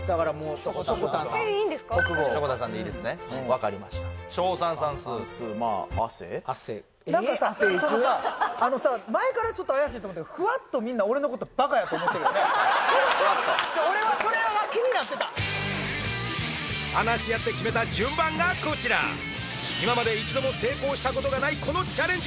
そのさ前からちょっと怪しいと思ったけど俺はそれが気になってた話し合って決めた順番がこちら今まで一度も成功したことがないこのチャレンジ